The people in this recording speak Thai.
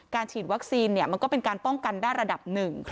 ฉีดวัคซีนมันก็เป็นการป้องกันได้ระดับหนึ่ง